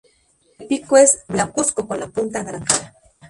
El pico es blancuzco con la punta anaranjada.